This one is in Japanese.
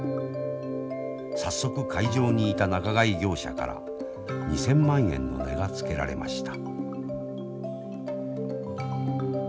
早速会場にいた仲買業者から２，０００万円の値がつけられました。